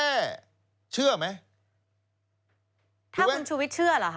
ถ้าคุณชุวิตเชื่อเหรอคะ